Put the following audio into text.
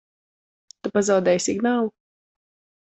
Tu pazaudēji signālu?